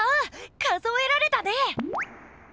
数えられたね！